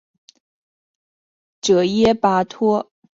阇耶跋摩三世在吴哥城建都。